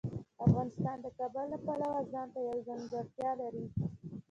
افغانستان د کابل له پلوه ځانته یوه ځانګړتیا لري.